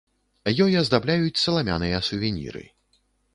Ёй аздабляюць саламяныя сувеніры.